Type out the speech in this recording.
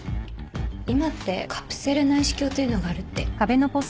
今ってカプセル内視鏡というのがあるって。